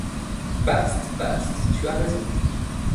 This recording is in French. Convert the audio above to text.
Baste, baste, tu as raison.